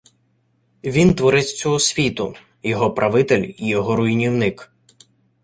Він творець цього світу, його правитель і його руйнівник.